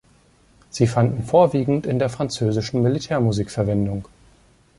Sie fanden vorwiegend in der französischen Militärmusik Verwendung.